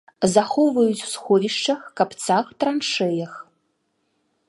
Захоўваюць у сховішчах, капцах, траншэях.